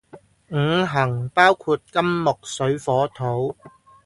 五行包括金木水火土